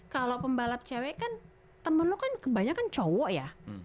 kalo pembalap cewek kan temen lo kan kebanyakan cowok ya